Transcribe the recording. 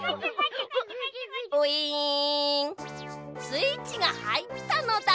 スイッチがはいったのだ。